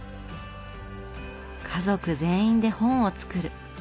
家族全員で本を作る。